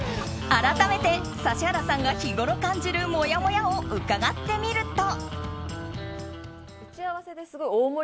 改めて指原さんが日ごろ感じるもやもやを伺ってみると。